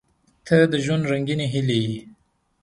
• ته د ژوند رنګینې هیلې یې.